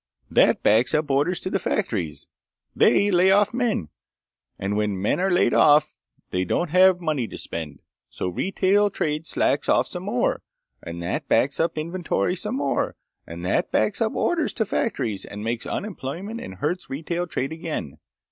That backs up orders to the factories. They lay off men. And when men are laid off they don't have money to spend, so retail trade slacks off some more, and that backs up inventories some more, and that backs up orders to factories and makes unemployment and hurts retail trade again.